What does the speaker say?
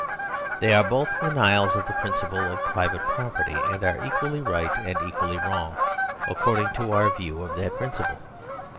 They are both denials of the principle of private property, and are equally right and equally wrong, according to our view of that principle.